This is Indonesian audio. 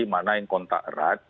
mana yang kontak erat